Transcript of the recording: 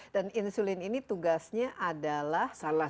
dan insulin ini tugasnya adalah